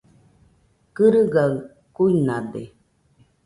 Kɨrɨgaɨ kuinade.